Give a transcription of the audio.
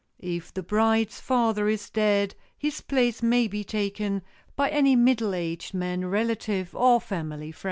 If the bride's father is dead his place may be taken by any middle aged man relative or family friend.